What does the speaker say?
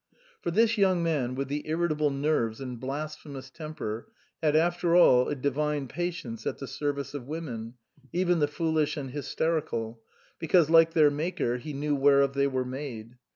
For this young man with the irritable nerves and blasphemous temper had after all a divine patience at the service of women, even the foolish and hysterical ; because like their Maker he knew whereof they were made.